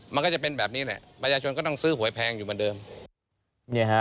มันก็จะเป็นแบบนี้แหละประชาชนก็ต้องซื้อหวยแพงอยู่เหมือนเดิม